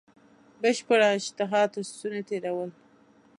بشپړه اشتها تر ستوني تېرول.